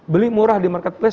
beli murah di marketplace